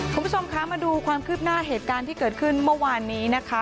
คุณผู้ชมคะมาดูความคืบหน้าเหตุการณ์ที่เกิดขึ้นเมื่อวานนี้นะคะ